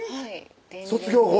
卒業後？